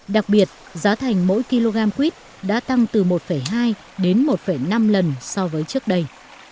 đặc biệt giá thành mỗi kg quýt đã tăng từ một hai đến một năm lần so với trước đây